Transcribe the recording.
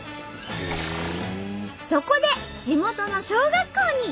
そこで地元の小学校に。